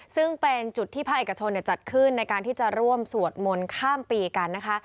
ซึ่งเป็นจุดที่ภาคเอกชนจัดขึ้นในการที่จะร่วมสวดมนต์ข้ามปีกันนะคะ